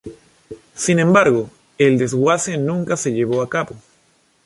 Sin embargo, el desguace nunca se llevó a cabo.